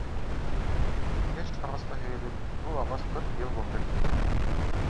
Йәш ағасҡа һөйәлеп, ҡыу ағас ҡырҡ йыл ғүмер иткән.